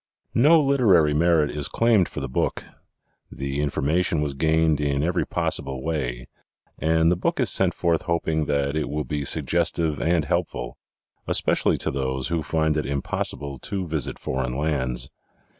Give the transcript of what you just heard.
No literary merit is claimed for the book. The information was gained in every possible way and the book is sent forth hoping that it will be suggestive and helpful, especially to those who find it impossible to visit foreign lands.